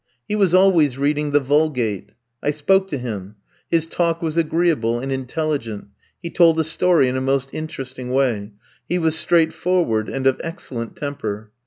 He was always reading the Vulgate. I spoke to him; his talk was agreeable and intelligent; he told a story in a most interesting way; he was straightforward and of excellent temper.